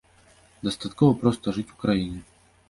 Дастаткова проста жыць у краіне.